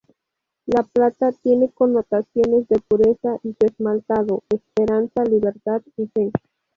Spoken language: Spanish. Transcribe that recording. La plata tiene connotaciones de pureza y su esmaltado, esperanza, libertad y fe.